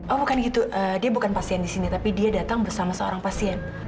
oh bukan gitu dia bukan pasien di sini tapi dia datang bersama seorang pasien